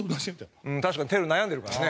確かにテル悩んでるからね。